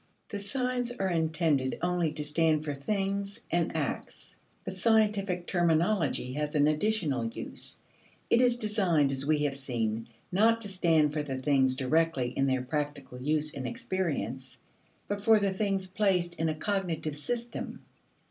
The signs are intended only to stand for things and acts. But scientific terminology has an additional use. It is designed, as we have seen, not to stand for the things directly in their practical use in experience, but for the things placed in a cognitive system.